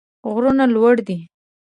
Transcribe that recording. غرونه لوړ دي.